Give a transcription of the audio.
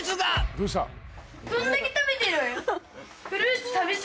・どんだけ食べてる？